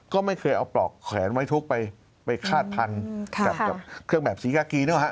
ก็ไม่เคยเอาปลอกแขวนไว้ทุกข์ไปคาดพันกับเครื่องแบบศรีกากีนึกออก